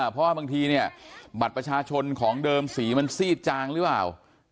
เพราะว่าบางทีเนี่ยบัตรประชาชนของเดิมสีมันซีดจางหรือเปล่า